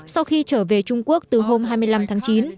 sau khi trở về trung quốc từ hôm hai mươi năm tháng chín